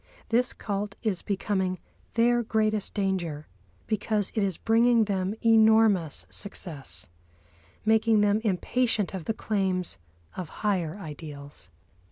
This cult is becoming their greatest danger, because it is bringing them enormous success, making them impatient of the claims of higher ideals.